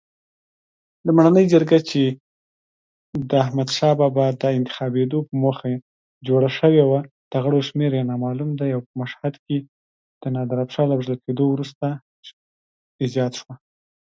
Its first director was Oveta Culp Hobby, a prominent society woman in Texas.